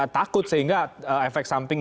takut sehingga efek samping